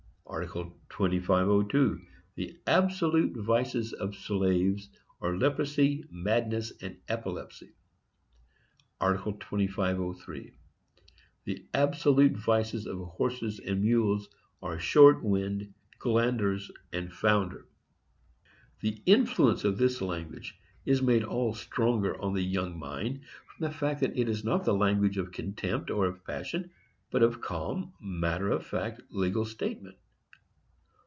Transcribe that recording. Art. 2502. The absolute vices of slaves are leprosy, madness and epilepsy. Art. 2503. The absolute vices of horses and mules are short wind, glanders, and founder. The influence of this language is made all the stronger on the young mind from the fact that it is not the language of contempt, or of passion, but of calm, matter of fact, legal statement.